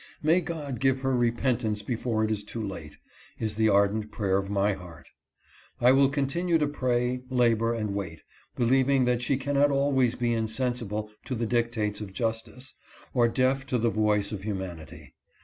May God give her repent ance before it is too late, is the ardent prayer of my heart. I will continue to pray, labor, and wait, believing that she cannot always be insensible to the dictates of justice, or deaf to the voice of human ity.